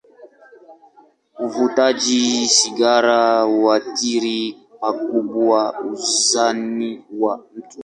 Uvutaji sigara huathiri pakubwa uzani wa mtu.